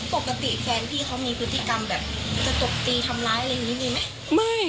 ปกติแฟนพี่เขามีพฤติกรรมแบบจะตบตีทำร้ายอะไรอย่างนี้มีไหมไม่